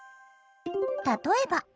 例えば。